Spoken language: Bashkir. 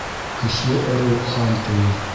Көслө ырыу хан ҡуйыр